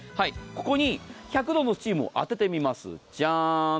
ここに１００度のスチームを当ててみます。